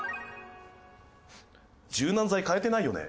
柔軟剤変えてないよね？